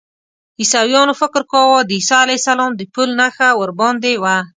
عیسویانو فکر کاوه د عیسی علیه السلام د پل نښه ورباندې وه.